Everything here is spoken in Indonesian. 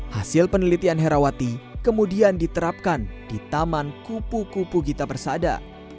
hasil penelitian herawati kemudian diterapkan di taman kupu kupu gita persada